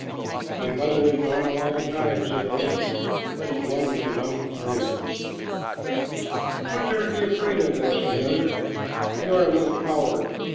"My mother is gone a long time," said one. "It is lonely, and I am afraid." "What is there to be afraid of?" asked another. "You are a little coward.